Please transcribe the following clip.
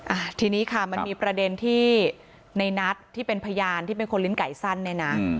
อ่าทีนี้ค่ะมันมีประเด็นที่ในนัทที่เป็นพยานที่เป็นคนลิ้นไก่สั้นเนี่ยนะ